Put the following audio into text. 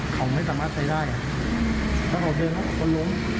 เขาไม่สามารถใช้ได้แล้วเขาเดินแล้วคนล้ม